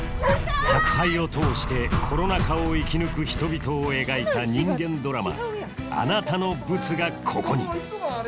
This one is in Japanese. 宅配を通してコロナ禍を生き抜く人々を描いた人間ドラマ「あなたのブツが、ここに」